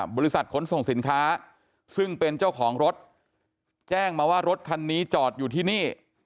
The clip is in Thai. บริษัทขนส่งสินค้าซึ่งเป็นเจ้าของรถแจ้งมาว่ารถคันนี้จอดอยู่ที่นี่